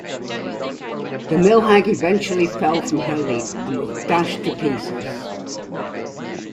The mill hag eventually fell from her leap and was dashed to pieces.